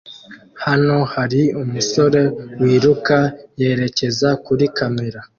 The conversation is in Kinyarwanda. Hano hari umusore wiruka yerekeza kuri kamera